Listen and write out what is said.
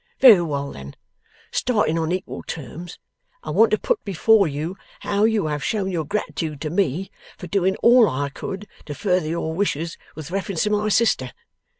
Very well then. Starting on equal terms, I want to put before you how you have shown your gratitude to me, for doing all I could to further your wishes with reference to my sister.